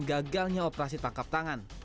gagalnya operasi tangkap tangan